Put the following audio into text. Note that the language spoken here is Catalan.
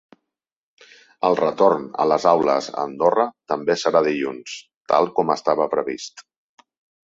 El retorn a les aules a Andorra també serà dilluns, tal com estava previst.